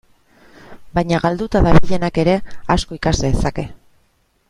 Baina galduta dabilenak ere asko ikas dezake.